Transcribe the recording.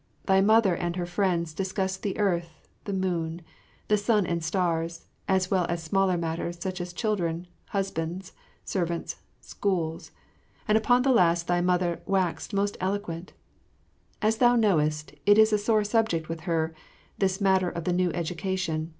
Thy Mother and her friends discussed the earth, the moon, the sun and stars, as well as smaller matters, such as children, husbands, servants, schools and upon the last thy Mother waxed most eloquent; as thou knowest, it is a sore subject with her, this matter of the new education.